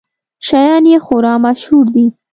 شیان یې خورا مشهور دي.